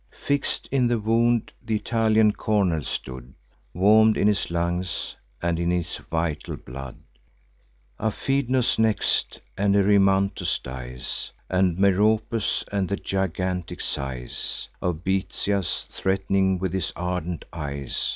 Fix'd in the wound th' Italian cornel stood, Warm'd in his lungs, and in his vital blood. Aphidnus next, and Erymanthus dies, And Meropes, and the gigantic size Of Bitias, threat'ning with his ardent eyes.